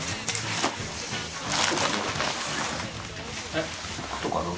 えっ？